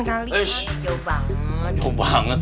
kali itu jauh banget